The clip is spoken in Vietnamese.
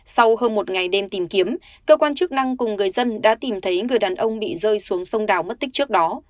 sau hơn một ngày đêm tìm kiếm cơ quan chức năng cùng người dân đã tìm thấy người đàn ông bị rơi xuống sông đào mất tích trước đó